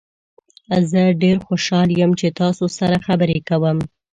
زه ډیر خوشحال یم چې تاسو سره خبرې کوم.